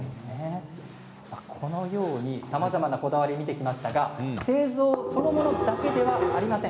このように、さまざまなこだわりを見てきましたが製造そのものだけではありません。